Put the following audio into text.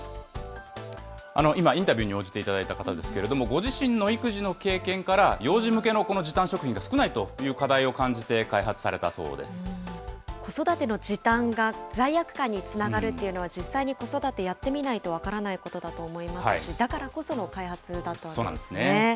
今、インタビューに応じていただいた方ですけれども、ご自身の育児の経験から、幼児向けの時短食品が少ないという課題を感じ子育ての時短が罪悪感につながるっていうのは、実際に子育てやってみないと分からないことだと思いますし、だからこその開発だったわけですね。